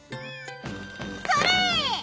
それ！